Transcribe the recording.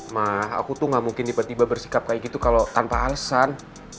mah aku tuh gak mungkin tiba tiba bersikap kayak gitu kalau tanpa alasan